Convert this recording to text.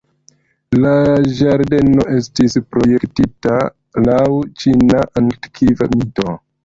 La ĝardeno estis projektita laŭ ĉina antikva mito.